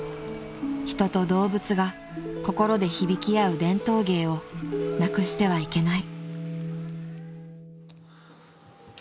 ［人と動物が心で響き合う伝統芸をなくしてはいけない］